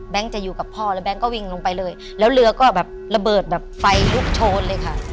จะอยู่กับพ่อแล้วแก๊งก็วิ่งลงไปเลยแล้วเรือก็แบบระเบิดแบบไฟลุกโชนเลยค่ะ